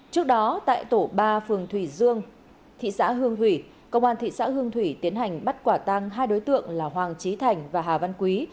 trước đó tại tổ ba phường thủy dương thị xã hương thủy công an thị xã hương thủy tiến hành bắt quả tăng hai đối tượng là hoàng trí thành và hà văn quý